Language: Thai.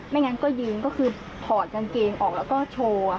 งั้นก็ยืนก็คือถอดกางเกงออกแล้วก็โชว์